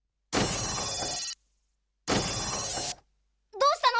どうしたの？